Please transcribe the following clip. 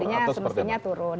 ya semestinya turun